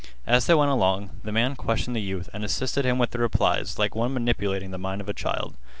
As they went along, the man questioned the youth and assisted him with the replies like one manipulating the mind of a child.